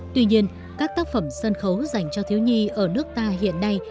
tuy nhiên các tác phẩm sân khấu dành cho thiếu nhi ở nước ta hiện nay